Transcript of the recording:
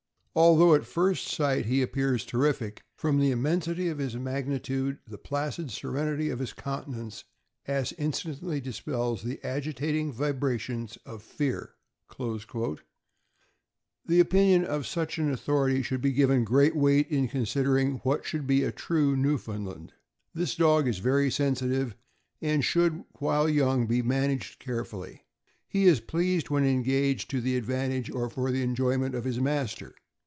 Although at first sight he appears terrific, from the immensity of his magnitude, the placid serenity of his countenance as instantly dispels the agitating vibrations of fear." The opinion of such an authority should be given great weight in considering what should be a true Newfoundland. This dog is very sensitive, and should, while young, be managed carefully. He is greatly pleased when engaged to the advantage or for the enjoyment of his master.